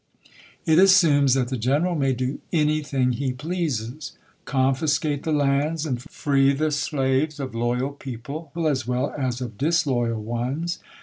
It assumes that the general may do anything he pleases — confiscate the lands and free the slaves of loyal people, as well as of disloyal ones.